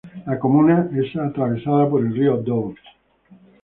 La comuna es atravesada por el río Doubs.